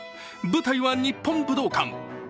舞台は日本武道館。